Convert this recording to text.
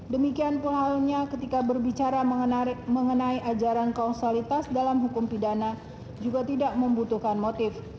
demikian pula halnya ketika berbicara mengenai ajaran kausalitas dalam hukum pidana juga tidak membutuhkan motif